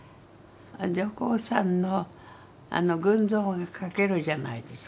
女工さんの群像が描けるじゃないですか。